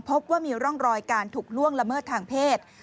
พบว่ามีร่องรอยการถูกล่วงละเมิดทางเพศ